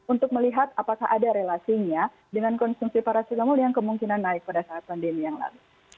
untuk melihat apakah ada relasinya dengan konsumsi paracetamol yang kemungkinan naik pada saat pandemi yang lalu